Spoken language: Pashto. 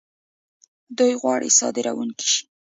دوی غواړي صادرونکي شي.